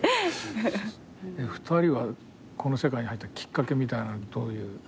２人はこの世界に入ったきっかけみたいなのどういう？